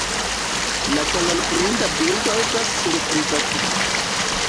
La kolorblinda birdo estas surprizata.